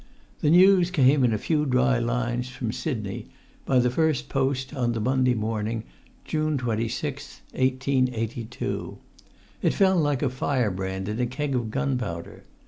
The news came in a few dry lines from Sidney, by the first post on the Monday morning, June 26, 1882. It fell like a firebrand in a keg of gunpowder.